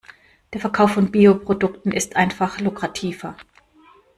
Der Verkauf von Bio-Produkten ist einfach lukrativer.